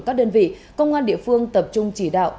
các đơn vị công an địa phương tập trung chỉ đạo